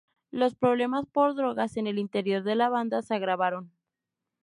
Los problemas por drogas en el interior de la banda se agravaron.